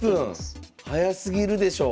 早すぎるでしょう！